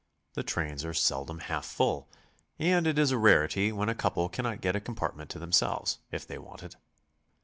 The trains are seldom half full, and it is a rarity when a couple cannot get a compartment to themselves, if they want it.